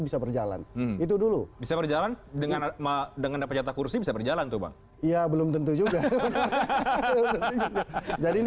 bisa berjalan itu dulu lepe reco wifi kita dan untuk menghendaki toko iya belum tentu jadi ini